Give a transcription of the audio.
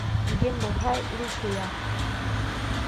Иген булһа, ил туя.